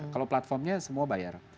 kalau platformnya semua bayar